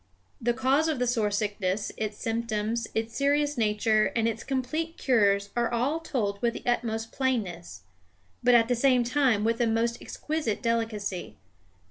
The cause of the sore sickness, its symptoms, its serious nature, and its complete cures are all told with the utmost plainness; but, at the same time, with the most exquisite delicacy.